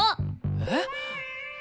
えっ？